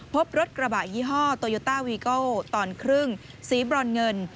พบรถกระบะยี่ห้อตอนครึ่งสีบร่อนเงิน